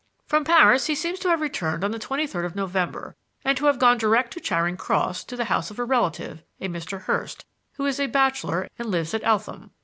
"From Paris he seems to have returned on the twenty third of November, and to have gone direct to Charing Cross to the house of a relative, a Mr. Hurst, who is a bachelor and lives at Eltham.